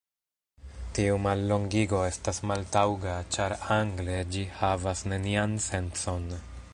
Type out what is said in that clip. Tiu mallongigo estas maltaŭga ĉar angle ĝi havas nenian sencon.